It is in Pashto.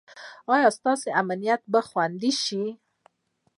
ایا ستاسو امنیت به خوندي شي؟